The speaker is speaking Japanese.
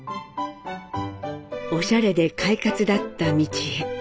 おしゃれで快活だった美智榮。